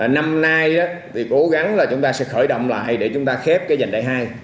năm nay thì cố gắng là chúng ta sẽ khởi động lại để chúng ta khép cái giành đại hai